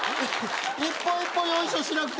一歩一歩よいしょしなくていいです。